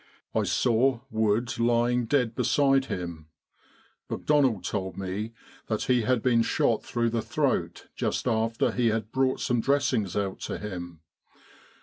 I saw Wood lying dead beside him : McDonald told me that he had been shot through the throat just after he had brought some dressings out to him.